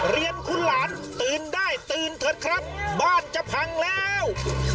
เรียนคุณหลานตื่นได้ตื่นเถอะครับบ้านจะพังแล้ว